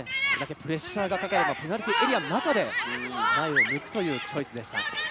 プレッシャーがかかるペナルティーエリアの中で、抜くというチョイスでした。